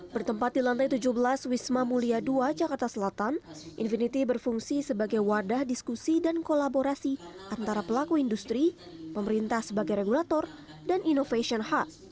bertempat di lantai tujuh belas wisma mulia ii jakarta selatan infinity berfungsi sebagai wadah diskusi dan kolaborasi antara pelaku industri pemerintah sebagai regulator dan innovation hub